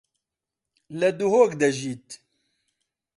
لە دهۆک دەژیت.